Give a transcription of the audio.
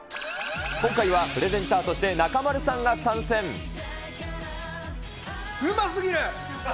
今回はプレゼンターとして中丸さうますぎる！